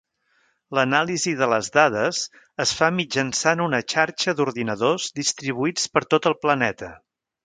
L'anàlisi de les dades es fa mitjançant una xarxa d'ordinadors distribuïts per tot el planeta.